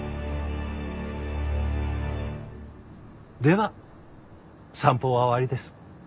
では散歩は終わりです。